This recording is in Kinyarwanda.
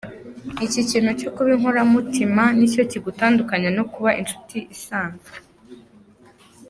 Ikintu kimwe cyo kuba inkoramutima nicyo kigutandukanya no kuba inshuti isanzwe.